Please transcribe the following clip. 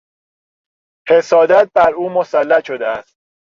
حسادت بر او مسلط شده است.